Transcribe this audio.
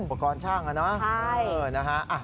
อุปกรณ์ช่างนะนะฮะ